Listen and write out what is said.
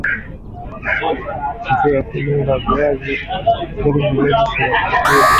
Njia za kulinda viazi lishe visiliwe na wadudu shambani